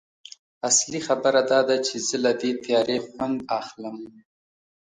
اصلي خبره دا ده چې زه له دې تیارې خوند اخلم